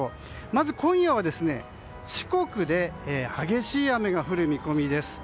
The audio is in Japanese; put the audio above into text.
まず、今夜は四国で激しい雨が降る見込みです。